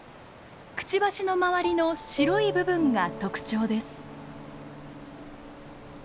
くちばしの周りの白い部分が特徴です。